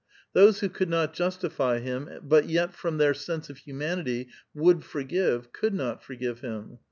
Those who could not justify him, but yet from their sense of humanity would forgive, could not forgive him.